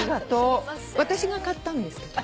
私が買ったんですけど。